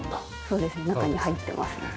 そうですね中に入ってますね。